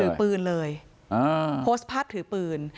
ถือปืนเลยโพสต์ภาพถือปืน